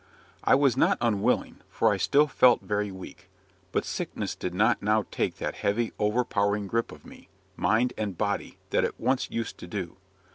I was not unwilling, for I still felt very weak. But sickness did not now take that heavy, overpowering grip of me, mind and body, that it once used to do.